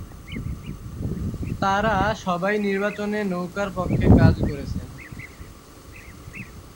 তারা সবাই নির্বাচনে নৌকার পক্ষে কাজ করেছেন।